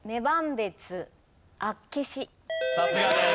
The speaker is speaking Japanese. さすがです。